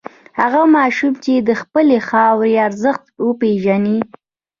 هغه ماشوم چې د خپلې خاورې ارزښت وپېژني.